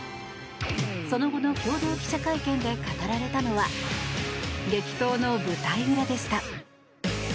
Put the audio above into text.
その後の共同記者会見で語られたのは激闘の舞台裏でした。